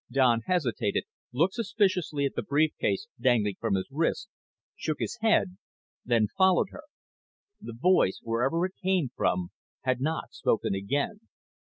Don hesitated, looked suspiciously at the brief case dangling from his wrist, shook his head, then followed her. The voice, wherever it came from, had not spoken again.